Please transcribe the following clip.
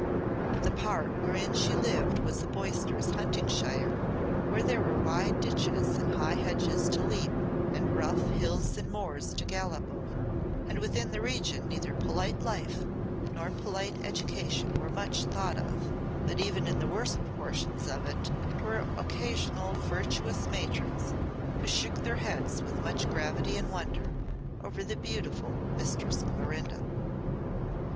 The part wherein she lived was a boisterous hunting shire where there were wide ditches and high hedges to leap, and rough hills and moors to gallop over, and within the region neither polite life nor polite education were much thought of; but even in the worst portions of it there were occasional virtuous matrons who shook their heads with much gravity and wonder over the beautiful Mistress Clorinda.